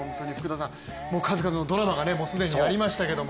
数々のドラマがもう既にありましたけど。